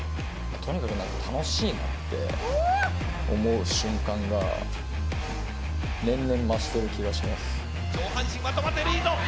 とにかく楽しいなって思う瞬間が年々増してる気がします。